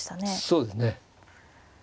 そうですね。